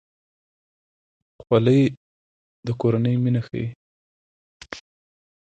خولۍ د کورنۍ مینه ښيي.